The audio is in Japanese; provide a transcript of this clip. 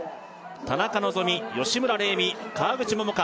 田中希実吉村玲美川口桃佳